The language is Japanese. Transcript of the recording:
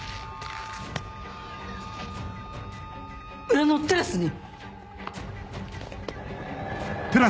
裏のテラスに。